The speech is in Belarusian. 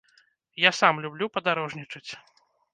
Я сам люблю падарожнічаць.